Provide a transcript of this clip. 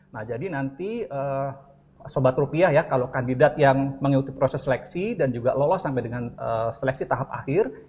nah jadi nanti sobat rupiah ya kalau kandidat yang mengikuti proses seleksi dan juga lolos sampai dengan seleksi tahap akhir